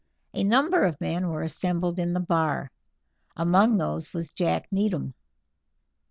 A number of men were assembled in the bar; among these was Jack Needham.